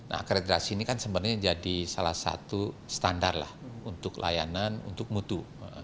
akreditasi ini kan sebenarnya jadi salah satu standar untuk layanan untuk mutu